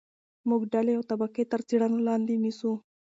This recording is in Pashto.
موږ ډلې او طبقې تر څېړنې لاندې نیسو.